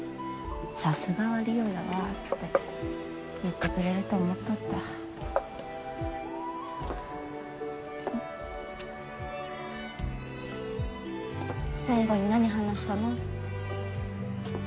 さすがは梨央やわ」って言ってくれると思っとった最後に何話したの？